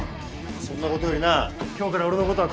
そんなことよりな今日から俺のことはこう呼べ。